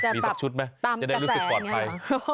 มีสักชุดไหมจะได้รู้สึกปลอดภัย